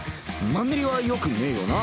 マンネリはよくねぇよな。